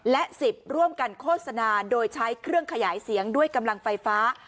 และ๑๐ร่วมกันโฆษณาโดยใช้เครื่องขยายเสียงด้วยกำลังไฟฟ้า